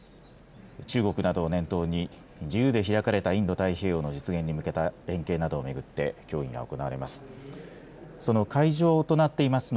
中国などを念頭に、自由で開かれたインド太平洋の実現に向けた連携などを巡って協議が行われます。